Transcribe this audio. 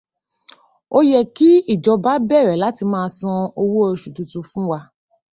Ó yẹ kí ìjọba bẹ̀rẹ̀ láti máa san owó oṣù tuntun fún wa